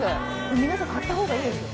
皆さん、買ったほうがいいですよ。